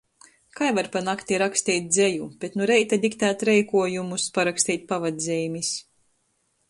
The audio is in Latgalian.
Kai var pa nakti raksteit dzeju, bet nu reita diktēt reikuojumus, paraksteit pavadzeimis.